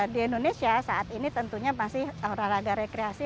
di indonesia saat ini tentunya masih olahraga rekreasi